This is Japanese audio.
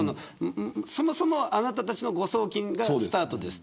そもそも、あなたたちの誤送金がスタートです。